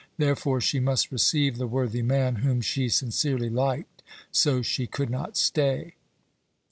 Therefore she must receive the worthy man, whom she sincerely liked, so she could not stay.